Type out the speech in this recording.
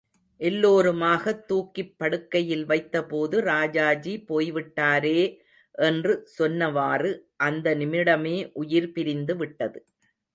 எல்லோருமாகத் தூக்கிப் படுக்கையில் வைத்தபோது ராஜாஜி போய்விட்டாரே என்று சொன்னவாறு அந்த நிமிடமே உயிர் பிரிந்துவிட்டது.